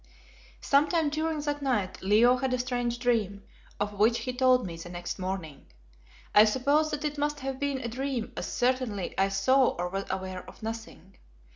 Sometime during that night Leo had a strange dream, of which he told me the next morning. I suppose that it must have been a dream as certainly I saw or was aware of nothing.